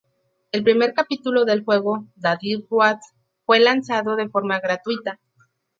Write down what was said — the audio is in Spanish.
El primer capítulo del juego, "The Deep Roads", fue lanzado de forma gratuita.